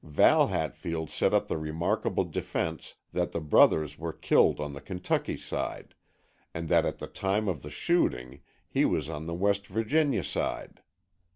Val Hatfield set up the remarkable defense that the brothers were killed on the Kentucky side, and that at the time of the shooting he was on the West Virginia side.